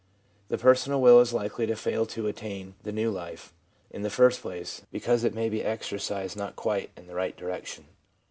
The personal will is likely to fail to attain the new life, in the first place, because it may be exercised not quite in the right direction.